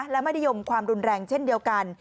และไม่ได้ยมความรุนแรงเช่นเดียวกัน